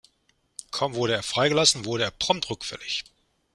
Kaum wurde er freigelassen, wurde er prompt rückfällig.